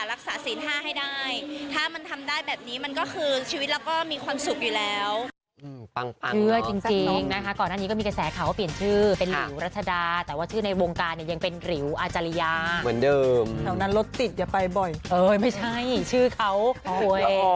ศีล๕ให้ได้ถ้ามันทำได้แบบนี้มันก็คือชีวิตเราก็มีความสุขอยู่แล้ว